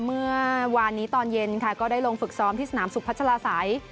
เมื่อวานนี้ตอนเย็นค่ะก็ได้ลงฝึกซ้อมที่สนามสุพัชลาศัย